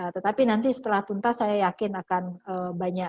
tetapi nanti setelah tuntas saya yakin akan banyak